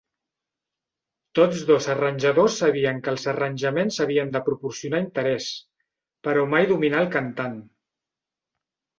Tots dos arranjadors sabien que els arranjaments havien de proporcionar interès, però mai dominar el cantant.